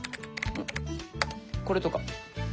これとか。